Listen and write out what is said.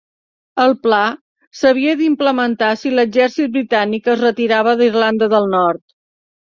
El pla s'havia d'implementar si l'Exèrcit Britànic es retirava d'Irlanda del Nord.